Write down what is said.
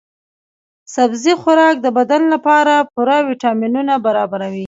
سبزي خوراک د بدن لپاره پوره ويټامینونه برابروي.